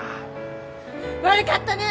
悪かったね！